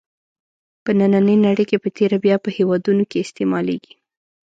په نننۍ نړۍ په تېره بیا په هېوادونو کې استعمالېږي.